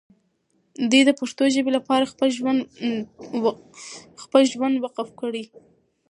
دی د پښتو ژبې لپاره خپل ژوند وقف کړی.